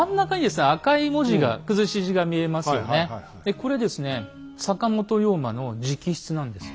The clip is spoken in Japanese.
これですね坂本龍馬の直筆なんですよ。